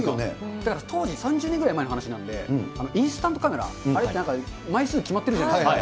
だから当時、３０年ぐらい前の話なんで、インスタントカメラ、あれってなんか、枚数決まってるじゃないですか。